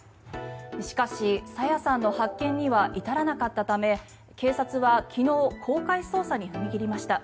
しかし朝芽さんの発見には至らなかったため警察は昨日公開捜査に踏み切りました。